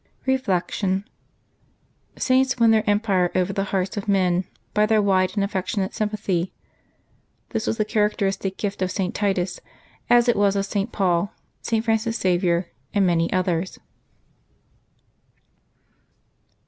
Reflection. — Saints win their empire over the hearts of men by their wide and affectionate sympathy. This was the characteristic gift of St. Titus, as it was of St. Paul, St. Francis Xavier, and many others.